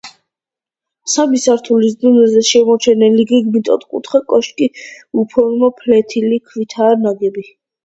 სამი სართულის დონეზე შემორჩენილი გეგმით ოთხკუთხა კოშკი უფორმო ფლეთილი ქვითაა ნაგები.